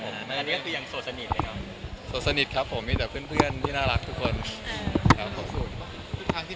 หรือชิ้นผ่านมาเราเคยคุยกับนักศึกษาึกษาอะไร